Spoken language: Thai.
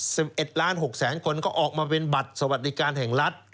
สิบเอ็ดล้านหกแสนคนก็ออกมาเป็นบัตรสวัสดิการแห่งรัฐ